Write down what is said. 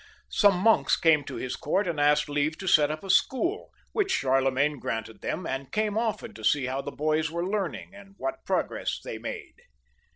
Some monks came to his court and asked leave to set up a school, which Charlemagne granted them, and came often to see how the boys were learning, and what progress they made.